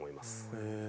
へえ。